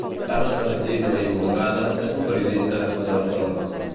Carles Francino i Murgades és un periodista nascut a Barcelona.